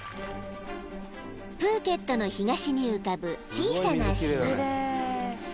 ［プーケットの東に浮かぶ小さな島］